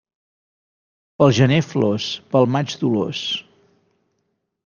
Pel gener flors, pel maig dolors.